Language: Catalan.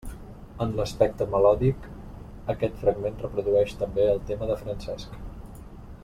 En l'aspecte melòdic, aquest fragment reprodueix també el tema de Francesc.